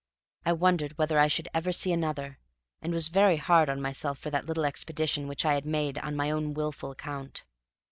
I wondered whether I should ever see another, and was very hard on myself for that little expedition which I had made on my own wilful account.